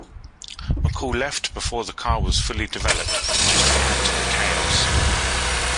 McCall left before the car was fully developed, just to add to the chaos.